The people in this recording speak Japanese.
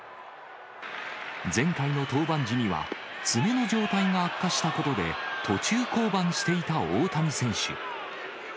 前回の登板時には、爪の状態が悪化したことで、途中降板していた大谷選手。